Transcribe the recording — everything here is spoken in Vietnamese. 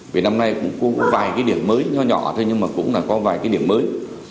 vì năm nay cũng có vài cái điểm mới nhỏ nhỏ thôi nhưng mà cũng là có vài cái điểm mới